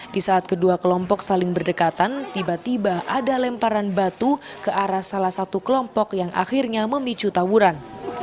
di saat kedua kelompok saling berdekatan tiba tiba ada lemparan batu ke arah salah satu kelompok yang akhirnya memicu tawuran